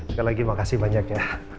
sekali lagi makasih banyak ya